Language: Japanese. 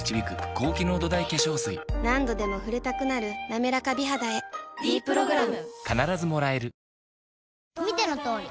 何度でも触れたくなる「なめらか美肌」へ「ｄプログラム」